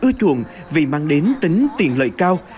vì dùng ưa chuộng vì mang đến tính tiền lợi cao